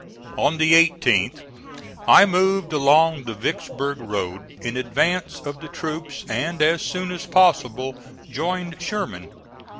On the 18th I moved along the Vicksburg road in advance of the troops and as soon as possible joined Sherman.